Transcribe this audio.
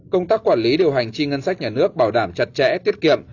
công tác quản lý điều hành chi ngân sách nhà nước bảo đảm chặt chẽ tiết kiệm